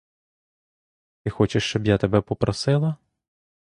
Ти хочеш, щоб я тебе попросила?